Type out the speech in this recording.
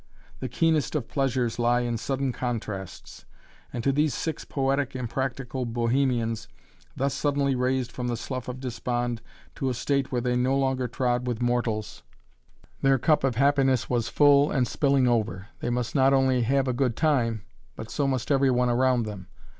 The keenest of pleasures lie in sudden contrasts, and to these six poetic, impractical Bohemians, thus suddenly raised from the slough of despond to a state where they no longer trod with mortals their cup of happiness was full and spilling over. They must not only have a good time, but so must every one around them.